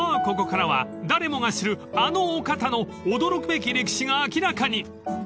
ここからは誰もが知るあのお方の驚くべき歴史が明らかに］